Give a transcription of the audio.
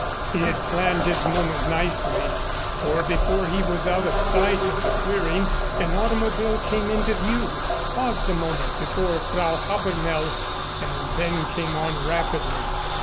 He had planned his moment nicely for before he was out of sight of the clearing, an automobile came into view paused a moment before Frau Habermehl and then came on rapidly.